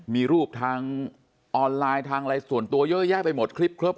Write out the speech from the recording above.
มีรูปทางออนไลน์ทางอะไรส่วนตัวเยอะแยะไปหมดคลิปครบ